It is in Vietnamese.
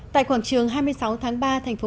tại quảng trường hai mươi sáu tháng ba tp hcm